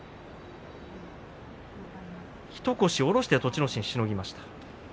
一腰下ろして栃ノ心しのぎました。